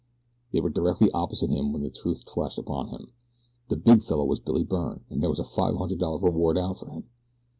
They were directly opposite him when the truth flashed upon him the big fellow was Billy Byrne, and there was a five hundred dollar reward out for him.